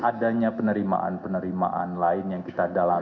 adanya penerimaan penerimaan lain yang kita dalami